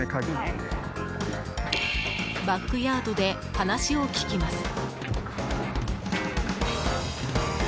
バックヤードで話を聞きます。